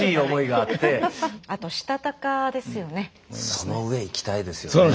その上行きたいですよね。